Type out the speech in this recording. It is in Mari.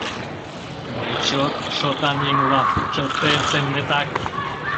Мый чот шотан еҥ улам!» — чылт тыйын семынетак.